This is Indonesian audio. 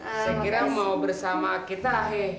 saya kira mau bersama kita